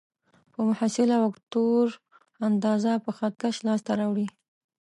د محصله وکتور اندازه په خط کش لاس ته راوړئ.